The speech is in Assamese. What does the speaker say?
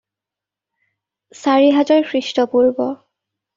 চাৰি হাজাৰ খ্ৰীষ্টপূৰ্ব।